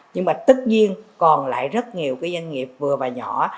nhưng mà tất nhiên còn lại rất nhiều cái doanh nghiệp vừa và nhỏ